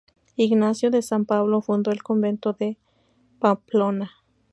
Ignacio de San Pablo fundó el convento de Pamplona.